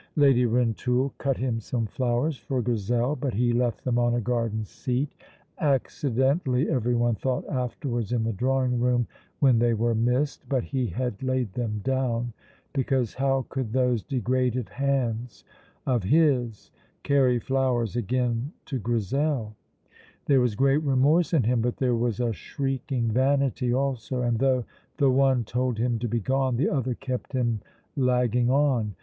Lady Rintoul cut him some flowers for Grizel, but he left them on a garden seat accidentally, everyone thought afterwards in the drawing room when they were missed; but he had laid them down, because how could those degraded hands of his carry flowers again to Grizel? There was great remorse in him, but there was a shrieking vanity also, and though the one told him to be gone, the other kept him lagging on.